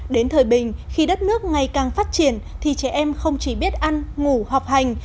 đến thời bình khi đất nước ngày càng phát triển thì trẻ em không chỉ biết ăn ngủ học hành